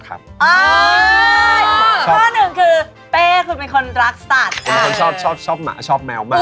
คนชอบหมาชอบแมวมาก